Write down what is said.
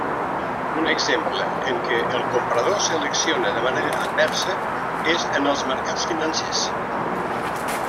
Un exemple en què el comprador selecciona de manera adversa és en els mercats financers.